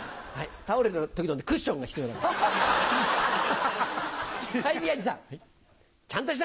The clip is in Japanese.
倒れるときのクッションが必要だから。